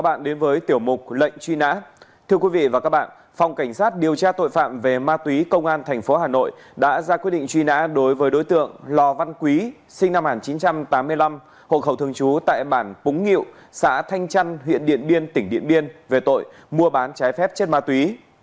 bản tin sẽ tiếp tục với những thông tin về truy nã tội đã ra quyết định truy nã đối với đối tượng lò văn quý sinh năm một nghìn chín trăm tám mươi năm hộ khẩu thường chú tại bản púng nghiệu xã thanh trăn huyện điện biên tỉnh điện biên về tội mua bán trái phép chất ma túy